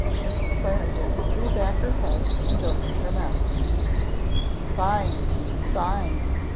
Miss Clarendon threw back her head, and opened her mouth. "Fine teeth, fine!